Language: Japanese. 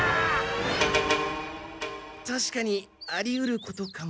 確かにありうることかも。